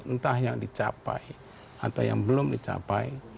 entah yang dicapai atau yang belum dicapai